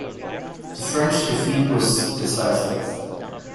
The French defeat was decisive.